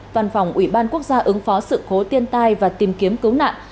văn phòng ủy ban quốc gia ứng phó sự khố tiên tai và tìm kiếm cứu nạn